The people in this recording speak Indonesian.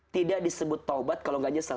tidak disebut taubat kalau gak nyesel